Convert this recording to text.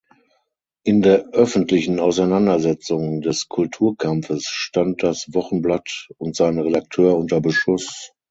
In der öffentlichen Auseinandersetzung des Kulturkampfes stand das Wochenblatt und sein Redakteur unter Beschuss.